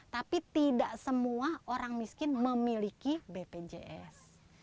tapi tidak semua orang miskin memiliki bpjs